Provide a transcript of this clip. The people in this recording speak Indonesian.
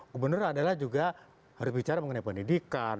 gubernur adalah juga harus bicara mengenai pendidikan